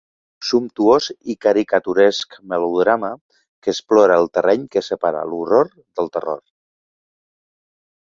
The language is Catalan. Sumptuós i caricaturesc melodrama que explora el terreny que separa l'horror del terror.